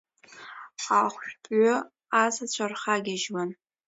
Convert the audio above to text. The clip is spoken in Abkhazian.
Ахәшәтәҩы ҟазацәа рхагьежьуан.